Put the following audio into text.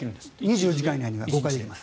２４時間以内に５回できます。